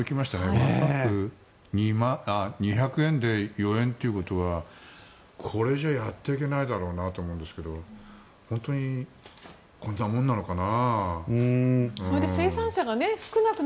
１パック２００円で４円ということはこれじゃあやっていけないだろうなと思うんですけど本当に、こんなもんなのかな。